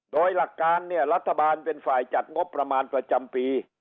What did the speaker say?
โดยหลักการเนี่ยรัฐบาลเป็นฝ่ายจัดงบประมาณประจำปี